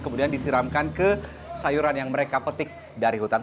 kemudian disiramkan ke sayuran yang mereka petik dari hutan